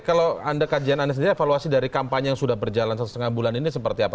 bagaimana menurut anda sendiri evaluasi dari kampanye yang sudah berjalan satu lima bulan ini seperti apa